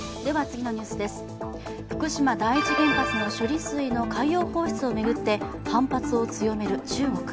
福島第一原発の処理水の海洋放出を巡って反発を強める中国。